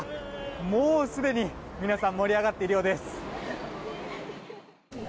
もうすでに皆さん盛り上がっているようです。